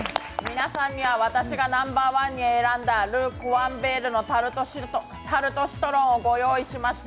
皆さんには私がナンバーワンに選んだル・コワンヴェールのタルトシトロンをご用意しました。